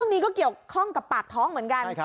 นี้ก็เกี่ยวข้องกับปากท้องเหมือนกัน